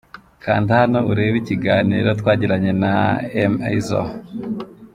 Kanda hano urebe ikiganiro twagiranye na M Izzle.